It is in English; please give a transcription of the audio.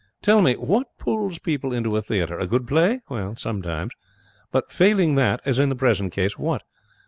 Tell me: what pulls people into a theatre? A good play? Sometimes. But failing that, as in the present case, what?